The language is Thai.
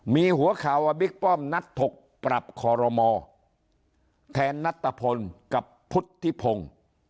มีหัวข่าวว่าบิ๊กป้อมนัดถกปรับคอรมอแทนนัตตะพลกับพุทธิพงศ์